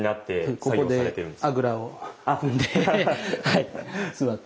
ここであぐらを組んで座って。